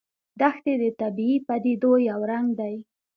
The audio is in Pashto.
دښتې د طبیعي پدیدو یو رنګ دی.